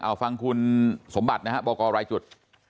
เอาฟังคุณสมบัตินะฮะบอกกรรายจุด